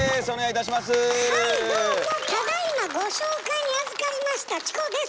ただいまご紹介にあずかりましたチコです！